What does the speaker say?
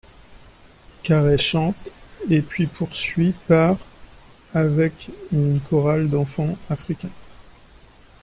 Carey chante et puis poursuit par avec une chorale d'enfants africains.